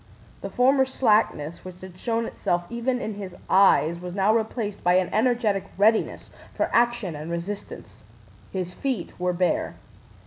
The former slackness which had shown itself even in his eyes was now replaced by an energetic readiness for action and resistance. His feet were bare.